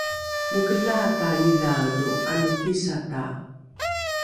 mokelaata idhae lo ’anokisata?